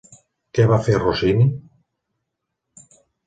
Què va fer Rossini?